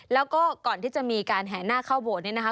แล้วก็ก่อนที่จะมีการแห่หน้าเข้าโบสถ์เนี่ยนะคะ